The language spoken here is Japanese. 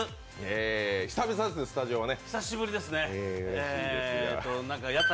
久々です、スタジオはね。